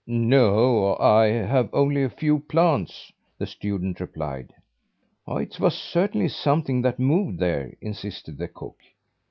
"No, I have only a few plants," the student replied. "It was certainly something that moved there," insisted the cook.